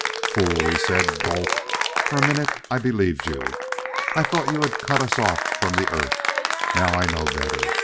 "Fool!" he said. "Dolt! For a minute I believed you; I thought you had cut us off from the Earth. Now I know better.